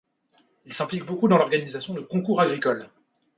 Il s'implique beaucoup dans l'organisation de concours agricoles.